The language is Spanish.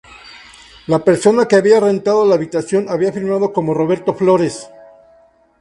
La persona que había rentado la habitación había firmado como ""Roberto Flores"".